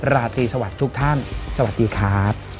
ราตรีสวัสดีทุกท่านสวัสดีครับ